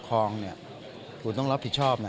คุณต้องรับผิดชอบนะ